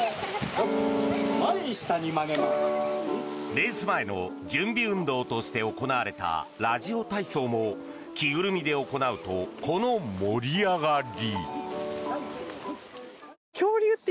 レース前の準備運動として行われたラジオ体操も着ぐるみで行うとこの盛り上がり。